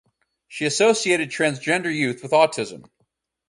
She associated transgender youth with autism.